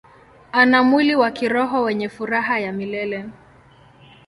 Ana mwili wa kiroho wenye furaha ya milele.